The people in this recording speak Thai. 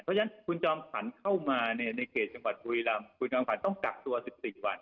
เพราะฉะนั้นคุณจอมขวัญเข้ามาในเขตจังหวัดบุรีรำคุณจอมขวัญต้องกักตัว๑๔วัน